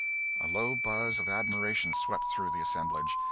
A low buzz of admiration swept through the assemblage.